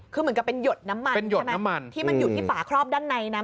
คือเหมือนกับเป็นหยดน้ำมันที่มันอยู่ที่ฝาครอบด้านในนะ